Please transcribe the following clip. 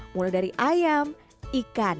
mulai dari ayam kacang dan kacang